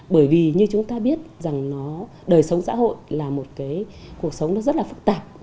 bởi vì như chúng ta biết rằng đời sống xã hội là một cuộc sống rất là phức tạp